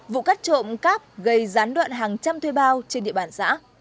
vụ cắt trộm cắp gây gián đoạn hàng trăm thuê bao trên địa bàn xã